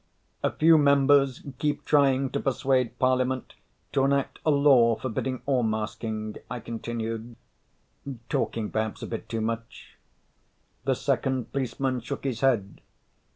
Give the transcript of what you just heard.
"A few members keep trying to persuade Parliament to enact a law forbidding all masking," I continued, talking perhaps a bit too much. The second policeman shook his head.